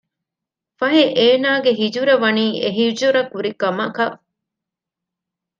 ފަހެ އޭނާގެ ހިޖުރަ ވަނީ އެ ހިޖުރަ ކުރި ކަމަކަށް